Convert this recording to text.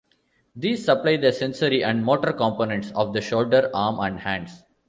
These supply the sensory and motor components of the shoulder, arm and hands.